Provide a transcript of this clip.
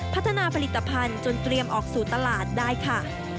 พัฒนาผลิตภัณฑ์จนเตรียมออกสู่ตลาดได้ค่ะ